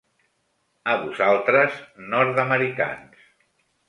A vosaltres, nord-americans.